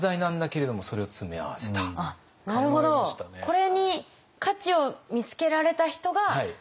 これに価値を見つけられた人が勝ちだと。